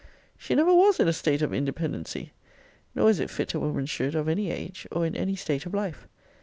She never was in a state of independency; nor is it fit a woman should, of any age, or in any state of life.